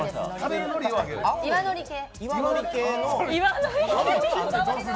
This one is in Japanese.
岩のり系。